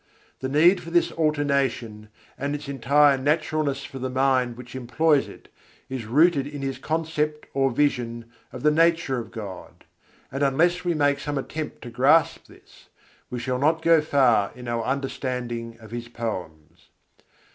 The need for this alternation, and its entire naturalness for the mind which employs it, is rooted in his concept, or vision, of the Nature of God; and unless we make some attempt to grasp this, we shall not go far in our understanding of his poems.